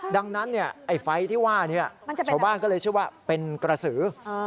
ดังนั้นไอ้ไฟที่ว่านี้ชาวบ้านก็เลยเชื่อว่าเป็นกระสือ